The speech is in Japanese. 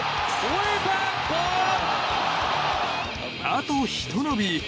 あと、ひと伸び。